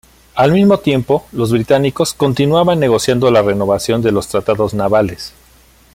Al mismo tiempo, los británicos, continuaban negociando la renovación de los tratados navales.